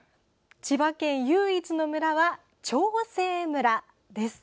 千葉県唯一の村は長生村です。